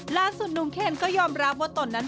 หนุ่มเคนก็ยอมรับว่าตนนั้น